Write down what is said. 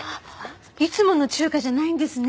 いつもの中華じゃないんですね。